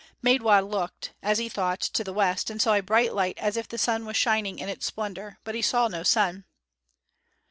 Maidwa looked, as he thought, to the west, and saw a bright light as if the sun was shining in its splendor, but he saw no sun.